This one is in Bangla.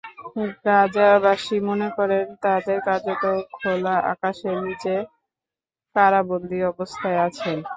গাজাবাসী মনে করেন, তাঁরা কার্যত খোলা আকাশের নিচে কারাবন্দী অবস্থায় আছেন।